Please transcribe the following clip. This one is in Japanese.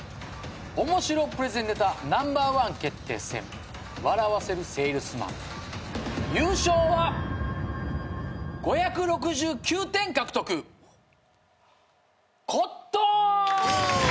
『おもしろプレゼンネタＮｏ．１決定戦笑わせるセールスマン』優勝は５６９点獲得コットン！